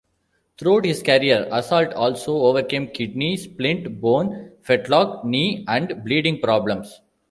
Throughout his career, Assault also overcame kidney, splint bone, fetlock, knee and bleeding problems.